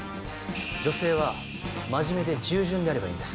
女性は真面目で従順であればいいんです。